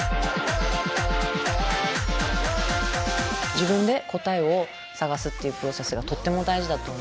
自分で答えを探すっていうプロセスがとっても大事だと思うし。